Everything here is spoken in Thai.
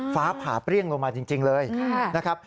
ฟ้าผ่าเปรี้ยงลงมาจริงเลยนะครับ